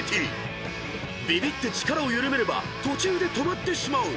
［ビビって力を緩めれば途中で止まってしまう］